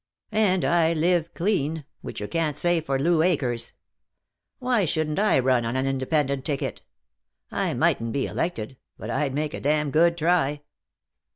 And I live clean which you can't say for Lou Akers. Why shouldn't I run on an independent ticket? I mightn't be elected, but I'd make a damned good try."